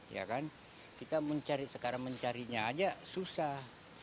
ya kan kita mencari sekarang mencarinya aja susah